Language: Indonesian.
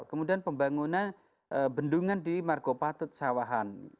kemudian pembangunan bendungan di margopah tutsawahan